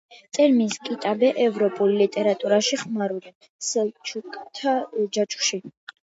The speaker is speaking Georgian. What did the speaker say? ტერმინს „კიტაბე“ ევროპულ ლიტერატურაში ხმარობენ „სელჩუკთა ჯაჭვში“.